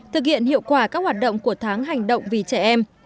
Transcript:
thực hiện hiệu quả các hoạt động của tháng hành động vì trẻ em